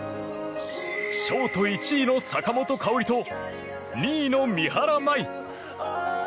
ショート１位の坂本花織と２位の三原舞依。